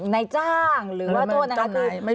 นายจ้างหรือว่าโทษนะคะคือ